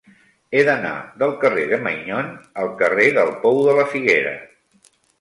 He d'anar del carrer de Maignon al carrer del Pou de la Figuera.